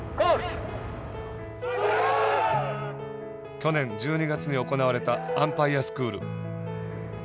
去年１２月に行われたアンパイアスクール。